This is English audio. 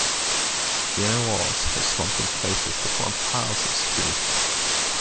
The inner walls have slumped in places to form piles of scree.